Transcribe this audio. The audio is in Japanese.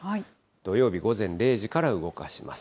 土曜日午前０時から動かします。